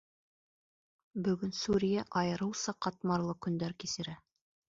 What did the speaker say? Бөгөн Сүриә айырыуса ҡатмарлы көндәр кисерә.